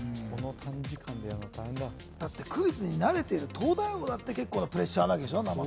だってクイズに慣れてる東大王だって結構なプレッシャーになるでしょ？